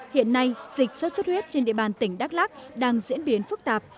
hiện nay dịch sốt xuất huyết trên địa bàn tỉnh đắk lắc đang diễn biến phức tạp